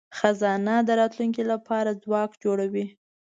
خزانه د راتلونکي لپاره ځواک جوړوي.